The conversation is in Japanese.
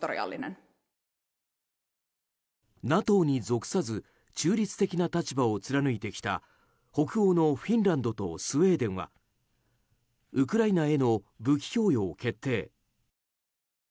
ＮＡＴＯに属さず中立的な立場を貫いてきた北欧のフィンランドとスウェーデンはウクライナへの武器供与を決定。